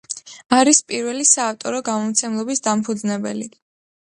არის პირველი საავტორო გამომცემლობის დამფუძნებელი.